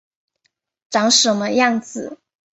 长什么样子